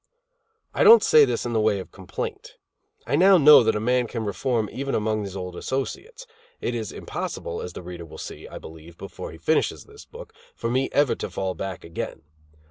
I don't say this in the way of complaint. I now know that a man can reform even among his old associates. It is impossible, as the reader will see, I believe, before he finishes this book, for me ever to fall back again.